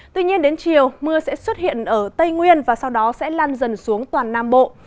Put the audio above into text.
tuy nhiên đến chiều mưa sẽ xuất hiện ở tây nguyên và sau đó sẽ lan dần xuống toàn nam bộ